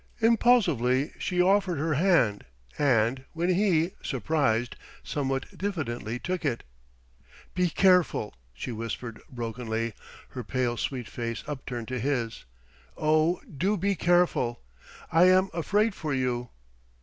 Impulsively she offered her hand and, when he, surprised, somewhat diffidently took it, "Be careful!" she whispered brokenly, her pale sweet face upturned to his. "Oh, do be careful! I am afraid for you...."